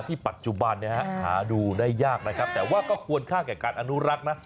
ปัจจุบันหาดูได้ยากนะครับแต่ว่าก็ควรค่าแก่การอนุรักษ์นะ